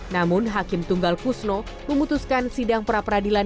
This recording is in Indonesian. namun hakim tunggal kusno memutuskan sidang pra peradilan